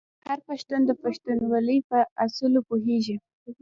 هر پښتون د پښتونولۍ په اصولو پوهیږي.